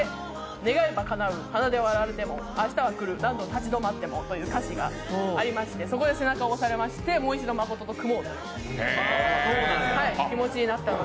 願えば叶う鼻で笑われても明日は来る何度立ち止まってもという歌詞がありましてそこで背中を押されましてもう一度、誠と組もうという気持ちになったので。